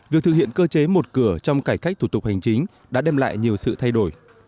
việc thực hiện cơ chế một cửa trong cải cách thủ tục hành chính đã đem lại nhiều sự thay đổi